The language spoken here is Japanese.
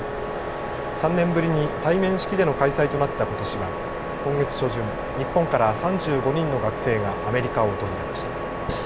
３年ぶりに対面式での開催となったことしは今月初旬日本から３５人の学生がアメリカを訪れました。